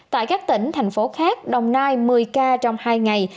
tại các tỉnh thành phố khác đồng nai một mươi ca trong hai ngày